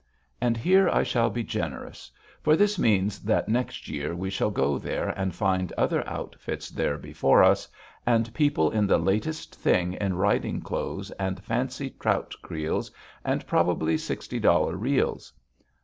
And here I shall be generous. For this means that next year we shall go there and find other outfits there before us, and people in the latest thing in riding clothes, and fancy trout creels and probably sixty dollar reels.